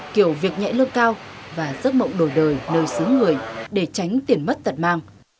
kiểu việc nhẹ lương cao và giấc mộng đổi đời nơi xứ người để tránh tiền mất tật mang